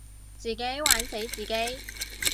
自己玩死自己